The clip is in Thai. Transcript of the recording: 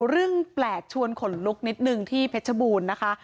เรื่องแปลกชวนขนลุกนิดนึงที่เพชรบูรณ์นะคะ